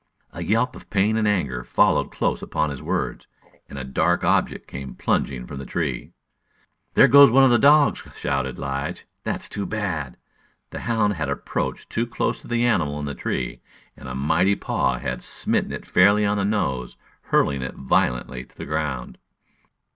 A yelp of pain and anger followed close upon his words, and a dark object came plunging from the tree. "There goes one of the dogs!" shouted Lige. "That's too bad." The hound had approached too close to the animal in the tree, and a mighty paw had smitten it fairly on the nose, hurling it violently to the ground.